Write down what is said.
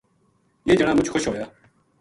یہ جنا مُچ خوش ہویا